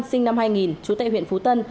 sinh năm hai nghìn chú tại huyện phú tân